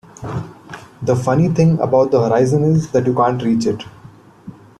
The funny thing about the horizon is that you can't reach it.